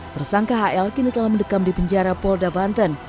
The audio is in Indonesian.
tersangka hl kini telah mendekam di penjara polda banten